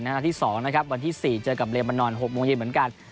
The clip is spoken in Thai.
นัดที่๒นะครับวันที่๔เจอกับเลมานอน๖โมงเย็นเหมือนกัน